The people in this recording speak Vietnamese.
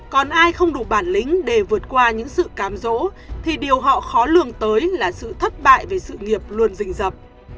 còn ai không đủ bản lĩnh để vượt qua những sự cám dỗ thì điều họ khó lường tới là sự thất bại về sự nghiệp luôn rình dập